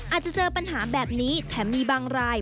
อาจจะเจอปัญหาแบบนี้แถมมีบางราย